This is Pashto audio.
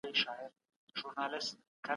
د تحقیقاتي کارونو ملاتړ تخنیک پرمختللی کوي.